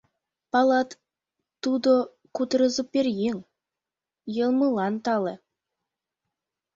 Палат: тудо — кутырызо пӧръеҥ, йылмылан тале.